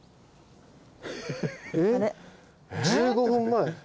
１５分前。